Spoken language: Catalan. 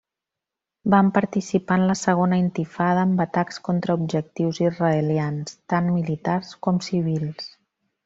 Van participar en la segona intifada amb atacs contra objectius israelians, tant militars com civils.